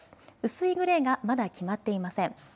薄いグレーがまだ決まっていません。